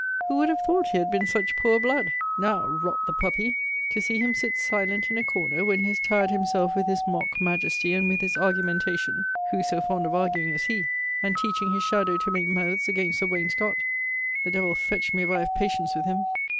Who would have thought he had been such poor blood? Now [rot the puppy!] to see him sit silent in a corner, when he has tired himself with his mock majesty, and with his argumentation, (Who so fond of arguing as he?) and teaching his shadow to make mouths against the wainscot The devil fetch me if I have patience with him!